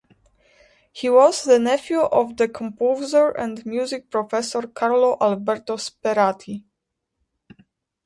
He was the nephew of the composer and music professor Carlo Alberto Sperati.